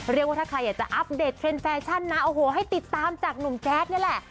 เรียกว่าถ้าใครอยากจะอัปเดตเทรนด์แฟชั่นนะโอ้โหให้ติดตามจากหนุ่มแจ๊ดนี่แหละ